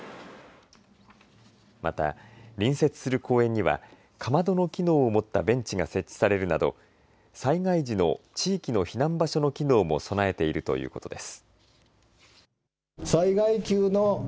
また隣接する公園にはかまどの機能を持ったベンチが設置されるなど災害時の地域の避難場所の機能も備えているということです。